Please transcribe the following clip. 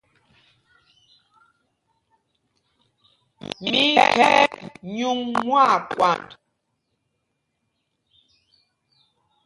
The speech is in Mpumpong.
Mí í khɛ̌y nyûŋ mwâkwand.